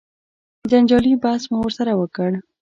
جنجالي بحث مو ورسره وکړ.